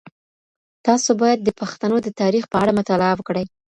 تاسو باید د پښتنو د تاریخ په اړه مطالعه وکړئ.